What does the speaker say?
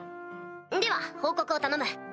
では報告を頼む。